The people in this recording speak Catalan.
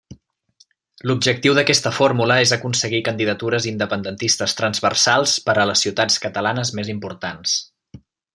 L'objectiu d'aquesta fórmula és aconseguir candidatures independentistes transversals per a les ciutats catalanes més importants.